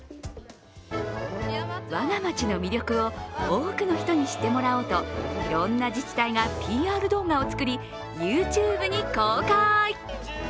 我が町の魅力を多くの人に知ってもらおうといろんな自治体がＰＲ動画を作り、ＹｏｕＴｕｂｅに公開。